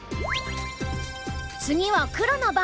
次は黒の番。